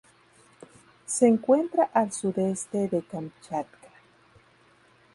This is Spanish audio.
Se encuentra al sudeste de Kamchatka.